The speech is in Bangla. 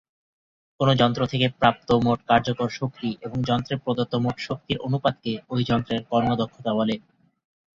কোনো যন্ত্র থেকে প্রাপ্ত মোট কার্যকর শক্তি এবং যন্ত্রে প্রদত্ত মোট শক্তির অনুপাতকে ঐ যন্ত্রের কর্মদক্ষতা বলে।